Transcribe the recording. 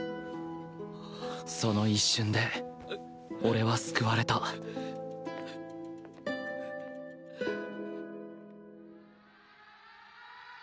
その一瞬で俺は救われたウウーー！